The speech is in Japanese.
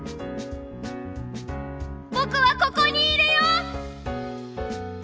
僕はここにいるよ！